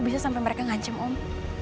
terus sampai mereka ngancem om